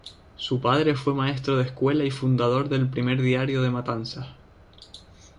Su padre fue maestro de escuela y fundador del primer diario de Matanzas.